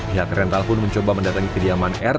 pihak rental pun mencoba mendatangi kediaman r